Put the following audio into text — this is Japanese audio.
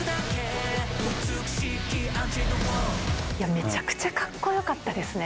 めちゃくちゃかっこよかったですね。